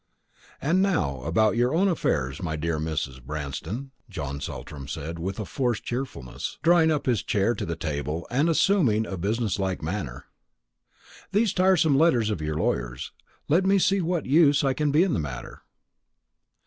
"And now about your own affairs, my dear Mrs. Branston?" John Saltram said with a forced cheerfulness, drawing his chair up to the table and assuming a business like manner. "These tiresome letters of your lawyers'; let me see what use I can be in the matter."